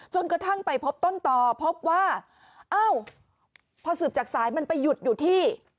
จนกระทั่งไปพบต้นต่อพบว่าอ้าวพอสืบจากสายมันไปหยุดอยู่ที่